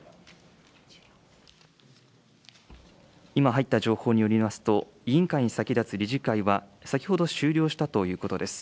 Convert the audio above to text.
今入った情報によりますと、委員会に先立つ理事会は、先ほど終了したということです。